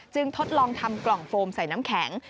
ทดลองทำกล่องโฟมใส่น้ำแข็ง